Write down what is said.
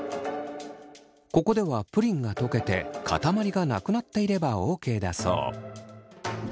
ここではプリンが溶けてかたまりがなくなっていればＯＫだそう。